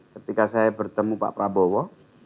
ketika saya bertemu pak prabowo